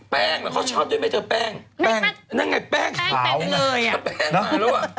แป้งนะเขาชอบด้วยไม่เจอแป้งนั่นไงแป้งแป้งมาแล้ว